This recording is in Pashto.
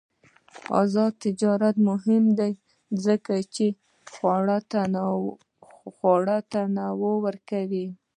آزاد تجارت مهم دی ځکه چې خواړه تنوع ورکوي.